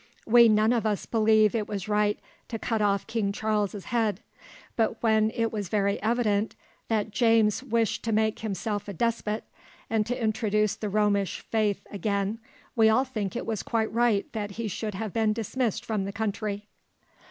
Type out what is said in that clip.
We none of us believe it was right to cut off King Charles's head; but when it was very evident that James wished to make himself a despot, and to introduce the Romish faith again, we all think it was quite right that he should have been dismissed from the country."